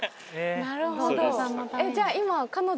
なるほど。